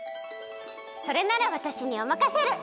それならわたしにおまかシェル！